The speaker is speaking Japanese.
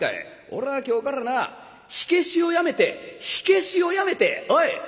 俺は今日からな火消しをやめて火消しをやめておい！